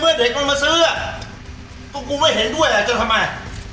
เมื่อเด็กมันมาซื้อก็กูไม่เห็นด้วยอ่ะจะทำไม